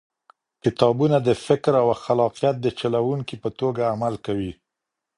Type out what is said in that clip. کتابونه د فکر او خلاقیت د چلوونکي په توګه عمل کوي.